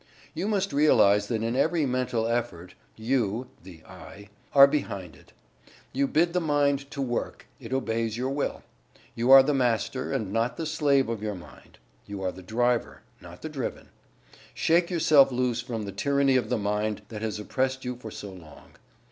You must realize that in every mental effort You the "I" are behind it. You bid the Mind work, and it obeys your Will. You are the Master, and not the slave of your mind. You are the Driver, not the driven. Shake yourself loose from the tyranny of the mind that has oppressed you for so long.